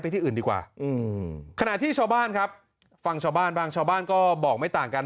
ที่อื่นดีกว่าอืมขณะที่ชาวบ้านครับฟังชาวบ้านบ้างชาวบ้านก็บอกไม่ต่างกัน